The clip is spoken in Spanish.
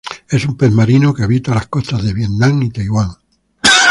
Es un pez marino que habita las costas de Vietnam y Taiwán.